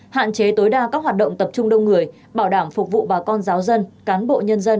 hạn chế tối đa các hoạt động tập trung đông người bảo đảm phục vụ bà con giáo dân cán bộ nhân dân